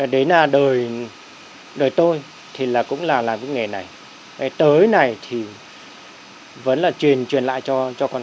đấy là đời đời tôi thì là cũng là là cái nghề này tới này thì vẫn là truyền truyền lại cho cho con